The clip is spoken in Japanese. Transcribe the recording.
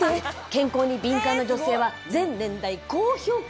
健康に敏感な女性は全年代高評価！